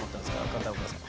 片岡さん。